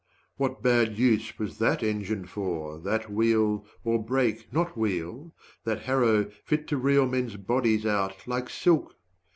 What bad use was that engine for, that wheel, 140 Or brake, not wheel that harrow fit to reel Men's bodies out like silk?